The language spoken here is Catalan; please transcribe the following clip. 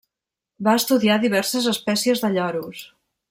Va estudiar diverses espècies de lloros.